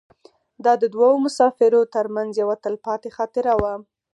دا د دوو مسافرو تر منځ یوه تلپاتې خاطره وه.